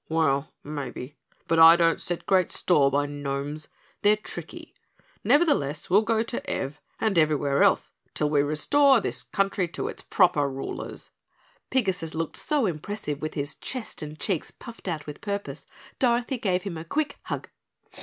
"Well, maybe, but I don't set great store by gnomes. They're tricky, nevertheless we'll go to Ev and everywhere else till we restore this country to its proper rulers." Pigasus looked so impressive with his chest and cheeks puffed out with purpose, Dorothy gave him a quick hug.